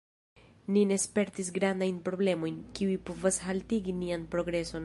Ni ne spertis grandajn problemojn, kiuj povas haltigi nian progreson